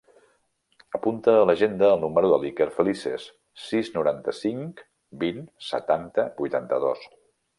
Apunta a l'agenda el número de l'Iker Felices: sis, noranta-cinc, vint, setanta, vuitanta-dos.